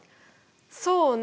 そうね